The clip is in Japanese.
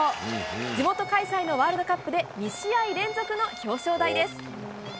地元開催のワールドカップで２試合連続の表彰台です。